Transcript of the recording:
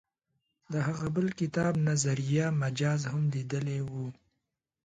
د هغه بل کتاب نظریه مجاز هم لیدلی و.